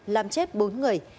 làm chết bốn người